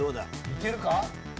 いけるか？